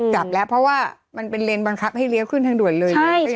จับแล้วเพราะว่ามันเป็นเลนบังคับให้เลี้ยวขึ้นทางด่วนเลย